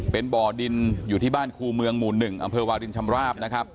เป็นบ่อดินอยู่ที่บ้านครูเมืองหมู่๑อำเภอวาลินชำราบนะครับ